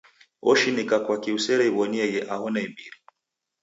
Oshinika kwaki usereiw'onieghe aho naimbiri.